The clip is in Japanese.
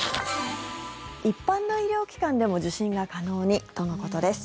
一般の医療機関でも受診が可能にとのことです。